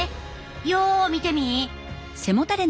よう見てみ！